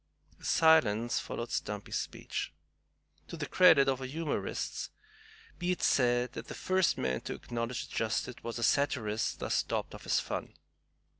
A silence followed Stumpy's speech. To the credit of all humorists be it said that the first man to acknowledge its justice was the satirist thus stopped of his fun.